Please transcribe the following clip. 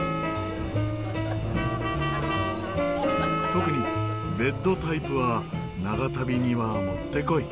特にベッドタイプは長旅にはもってこい。